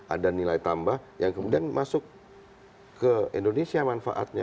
ada nilai tambah yang kemudian masuk ke indonesia manfaatnya